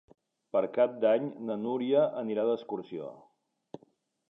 Per Cap d'Any na Núria anirà d'excursió.